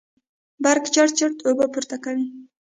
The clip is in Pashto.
برق چړت چړت اوبه پورته کوي.